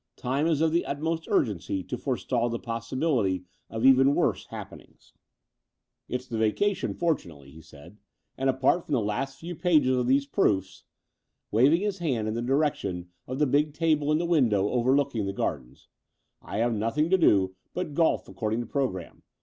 Time is of the utmost urgency to forestall the possibility of even worse happenings." 112 The Door of the Unreal "It's the vacation forttmately," he said, "and apart from the last few pages of those proofs" — waving his hand in the direction of the big table in the window overlooking the gardens — "I have nothing to do but golf according to programme.